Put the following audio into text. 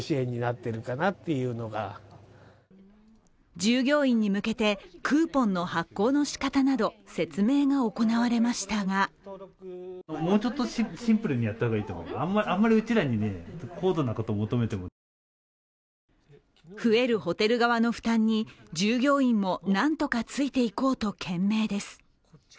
従業員に向けてクーポンの発行のしかたなど説明が行われましたが増えるホテル側の負担に従業員も何とかついていこうと懸命です。